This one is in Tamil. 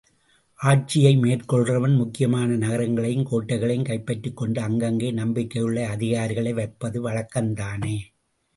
ஆட்சியை மேற்கொள்கிறவன் முக்கியமான நகரங்களையும் கோட்டைகளையும் கைப்பற்றிக் கொண்டு, அங்கங்கே நம்பிக்கையுள்ள அதிகாரிகளை வைப்பது வழக்கந்தானே?